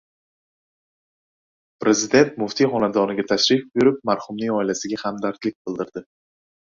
Prezident muftiy xonadoniga tashrif buyurib, marhumning oilasiga hamdardlik bildirdi